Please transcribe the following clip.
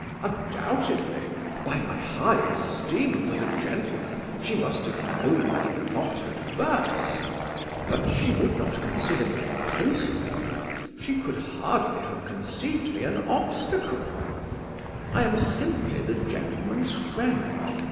"Undoubtedly, by my high esteem for the gentleman, she must have known me not adverse. But she would not consider me a principal. She could hardly have conceived me an obstacle. I am simply the gentleman's friend.